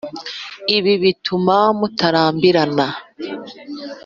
ibi bituma mutarambirana.